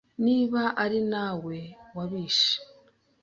Niba ari nawe wabishe